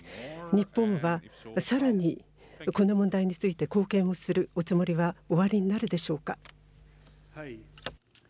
日本はさらにこの問題について貢献をするおつもりはおありになるでしょうか。